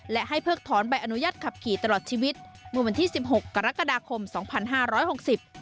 และให้เพิกถอนใบอนุญาตขับขี่ตลอดชีวิตเมื่อวันที่สิบหกกรกฎาคมสองพันห้าร้อยหกสิบ